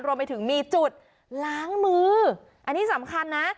รวมไปถึงมีจุดล้างมืออันนี้สำคัญนะ